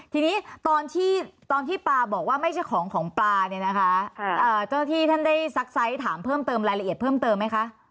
ทีนี้ตอนที่ปลาบอกว่าไม่ใช่ของของปลาเนี่ยนะคะเจ้าที่ท่านได้ซักไซส์ถามเพิ่มเติมรายละเอียดเพิ่มเติมไหมคะ